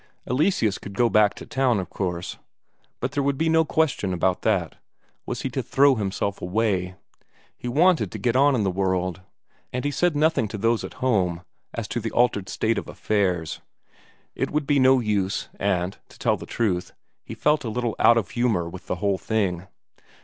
Eleseus would go back to town, of course, there could be no question about that. Was he to throw himself away? He wanted to get on in the world. And he said nothing to those at home as to the altered state of affairs; it would be no use, and, to tell the truth, he felt a little out of humour with the whole thing.